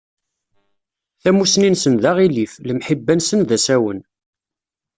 Tamusni-nsen d aɣilif, lemḥiba-nsen d asawen.